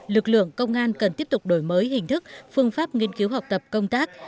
lực lượng công an cần tiếp tục đổi mới hình thức phương pháp nghiên cứu học tập công tác